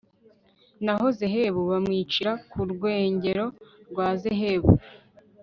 naho zehebu bamwicira ku rwengero rwa zehebu